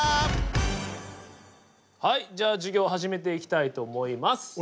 はいじゃあ授業始めていきたいと思います。